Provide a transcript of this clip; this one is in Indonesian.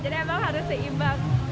jadi memang harus seimbang